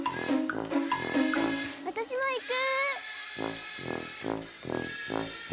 わたしもいく！